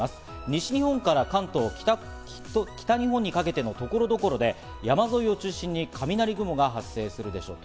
西日本から関東、北日本にかけての所々で山沿いを中心に雷雲が発生するでしょう。